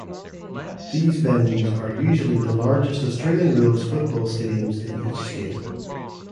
These venues are usually the largest Australian rules football stadiums in each state.